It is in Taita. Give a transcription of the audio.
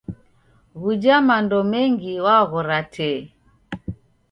W'uja mando mengi waghora tee.